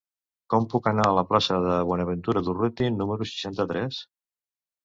Com puc anar a la plaça de Buenaventura Durruti número seixanta-tres?